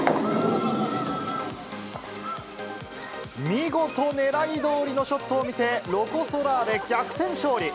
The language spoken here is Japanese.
見事、ねらいどおりのショットを見せ、ロコ・ソラーレ、逆転勝利。